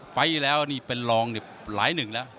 ฟัยแล้วนี่ลองหลายหนึ่งนะ